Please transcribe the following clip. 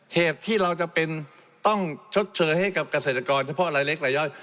เหตุที่เราจำเป็นต้องชดเชยให้กับเกษตรกรเฉพาะรายเล็กรายย่อย